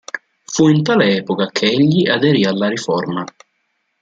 Fu in tale epoca che egli aderì alla Riforma.